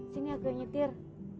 sini aku yang nyetir